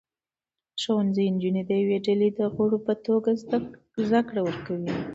ښوونځي نجونې د یوې ډلې د غړو په توګه زده کړې ورکوي.